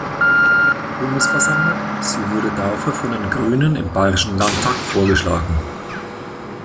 Bundesversammlung, sie wurde dafür von den Grünen im Bayerischen Landtag vorgeschlagen.